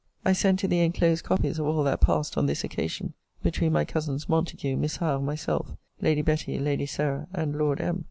I send to thee enclosed copies of all that passed on this occasion between my cousins Montague, Miss Howe, myself, Lady Betty, Lady Sarah, and Lord M.